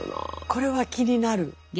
これは気になる。